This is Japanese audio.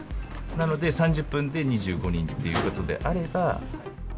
なので、３０分で２５人ということであれば。